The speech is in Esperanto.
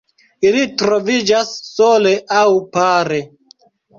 Ili troviĝas sole aŭ pare.